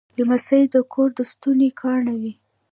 لمسی د کور د ستوني ګاڼه وي.